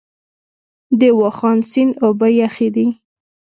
د واخان سیند اوبه یخې دي؟